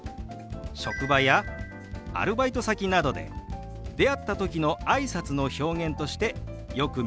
職場やアルバイト先などで出会った時のあいさつの表現としてよく見られるフレーズなんですよ。